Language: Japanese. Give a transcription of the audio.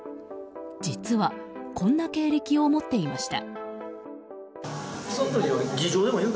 実はこんな経歴を持っていました。